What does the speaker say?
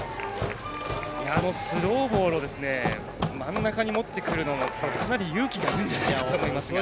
スローボールを真ん中にもってくるのもかなり勇気がいるんじゃないかと思いますが。